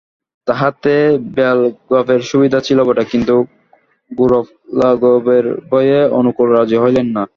তাহাতে ব্যয়লাঘবের সুবিধা ছিল বটে, কিন্তু গৌরবলাঘবের ভয়ে অনুকূল রাজি হইলেন না।